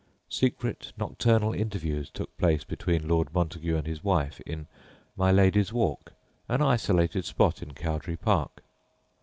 Secret nocturnal interviews took place between Lord Montague and his wife in "My Lady's Walk," an isolated spot in Cowdray Park.